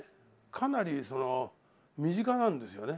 かなりその身近なんですよね。